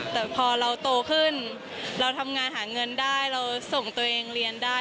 แต่พอเราโตขึ้นเราทำงานหาเงินได้เราส่งตัวเองเรียนได้